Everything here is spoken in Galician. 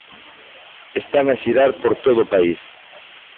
Están a xirar por todo o país.